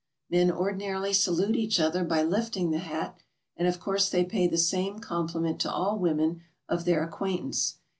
Men ordinarily salute each other by lifting the hat, and of course they pay the same compli ment to all women of their acquaintance.